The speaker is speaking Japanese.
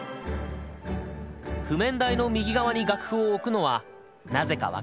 譜面台の右側に楽譜を置くのはなぜか分かるか？